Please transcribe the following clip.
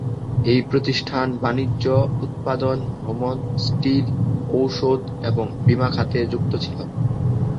এই প্রতিষ্ঠান বাণিজ্য, উৎপাদন, ভ্রমণ, স্টিল, ওষুধ এবং বিমা খাতে যুক্ত ছিল।